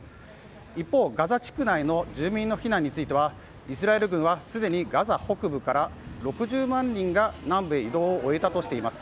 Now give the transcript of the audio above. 一方、ガザ地区内の住民の避難についてはイスラエル軍はすでにガザ北部から６０万人が南部へ移動を終えたとしています。